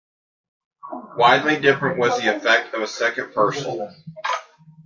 Widely different was the effect of a second perusal.